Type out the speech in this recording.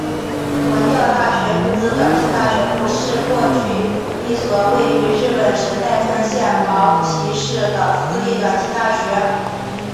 文教大学女子短期大学部是过去一所位于日本神奈川县茅崎市的私立短期大学。